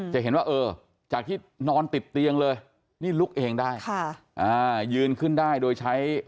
จะเห็นว่าเออจากที่นอนติดเตียงเลยนี่ลุกเองได้ค่ะอ่ายืนขึ้นได้โดยใช้